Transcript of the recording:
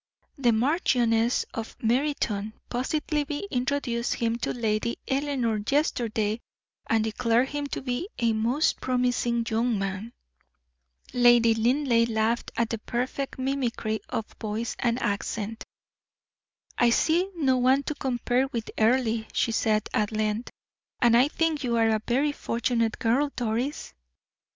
The Marchioness of Meriton positively introduced him to Lady Eleanor yesterday, and declared him to be a 'most promising young man!'" Lady Linleigh laughed at the perfect mimicry of voice and accent. "I see no one to compare with Earle," she said, at length, "and I think you are a very fortunate girl, Doris."